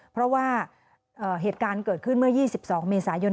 เพราะว่าเหตุการณ์เกิดขึ้นเมื่อ๒๒เมษายน